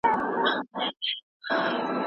د مینوپاز پر مهال غوړ زیاتېږي.